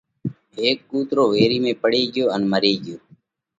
ان ھيڪ ڪُوترو ويري ۾ پڙي ڳيو ان مري ڳيو۔